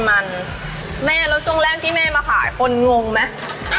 มันแม่แล้วช่วงแรกที่แม่มาขายคนงงไหม